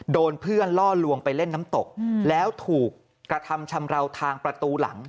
โดนเพื่อนล่อลวงไปเล่นน้ำตกแล้วถูกกระทำชำราวทางประตูหลัง